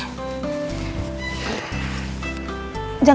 jangan kenceng kenceng mas nanti patah